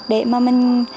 để mà mình